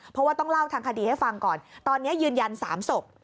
เพราะว่าต้องเล่าทางคดีให้ฟังก่อนตอนนี้ยืนยัน๓ศพ